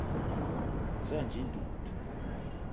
Za ànji dud